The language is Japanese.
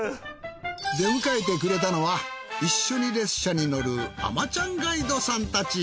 出迎えてくれたのは一緒に列車に乗る海女ちゃんガイドさんたち